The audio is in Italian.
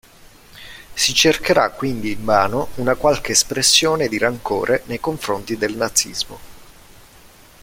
Si cercherà quindi invano una qualche espressione di rancore nei confronti del nazismo.